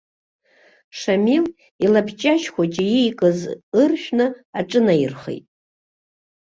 Шамил, илабҷашь хәыҷы иикыз ыршәны аҿынаирхеит.